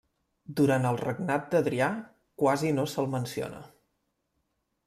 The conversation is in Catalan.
Durant el regnat d'Adrià quasi no se'l menciona.